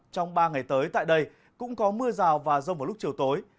trong ba ngày tới tại đây cũng có mưa rào và rông vào lúc chiều tối